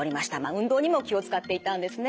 運動にも気を遣っていたんですね。